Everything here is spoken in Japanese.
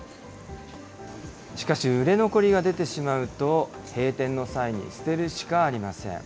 しかし、売れ残りが出てしまうと、閉店の際に捨てるしかありません。